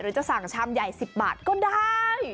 จะสั่งชามใหญ่๑๐บาทก็ได้